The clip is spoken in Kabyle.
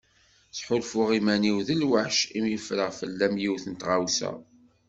Ttḥulfuɣ iman-iw d lwaḥc imi ffreɣ fell-am yiwet n tɣawsa.